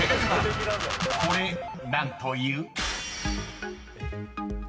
［これ何という？］